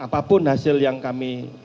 jadi apapun hasil yang kami